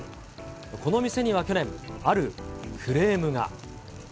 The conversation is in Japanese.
この店には去年、あるクレームが。